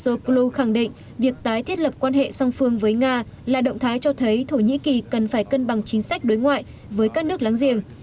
zaloglu khẳng định việc tái thiết lập quan hệ song phương với nga là động thái cho thấy thổ nhĩ kỳ cần phải cân bằng chính sách đối ngoại với các nước láng giềng